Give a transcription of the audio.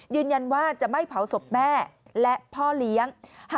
ยืนยันว่าจะไม่เผาศพแม่และพ่อเลี้ยง